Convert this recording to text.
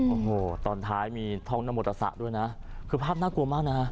โอ้โหตอนท้ายมีท้องนโมตสะด้วยนะคือภาพน่ากลัวมากนะฮะ